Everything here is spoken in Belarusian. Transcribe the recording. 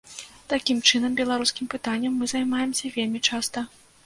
Такім чынам, беларускім пытаннем мы займаемся вельмі часта.